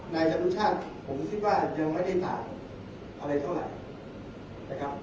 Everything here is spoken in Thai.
นายอนุชาติผมคิดว่ายังไม่ได้ต่างอะไรเท่าไหร่นะครับ